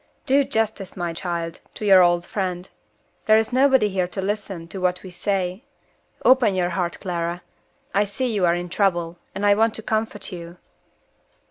"Do justice, my child, to your old friend. There is nobody here to listen to what we say. Open your heart, Clara. I see you are in trouble, and I want to comfort you."